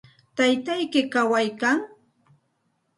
¿Taytayki kawaykan?